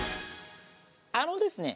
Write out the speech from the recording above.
あのですね